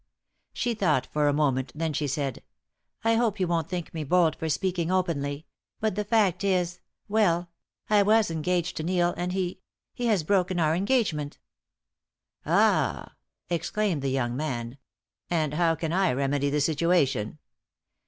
She thought for a moment; then she said: "I hope you won't think me bold for speaking openly. But the fact is well, I was engaged to Neil, and he he has broken our engagement." "Ah!" exclaimed the young man. "And how can I remedy the situation?"